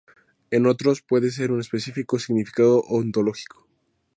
En otros, puede tener un específico significado ontológico.